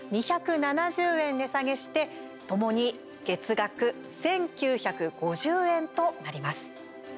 ２７０円値下げしてともに月額１９５０円となります。